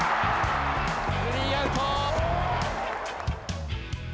スリーアウト。